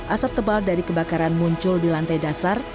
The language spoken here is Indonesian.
asap tebal dari kebakaran muncul di lantai dasar